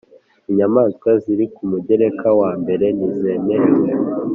inyamaswa ziri ku mugereka wa mbere ntizemerewe